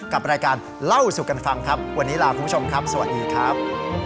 กับรายการเล่าสู่กันฟังครับวันนี้ลาคุณผู้ชมครับสวัสดีครับ